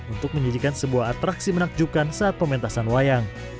untuk menjadikan sebuah atraksi menakjubkan saat pementasan wayang